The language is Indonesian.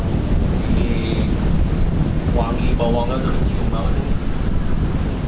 ini wangi bawangnya tercium banget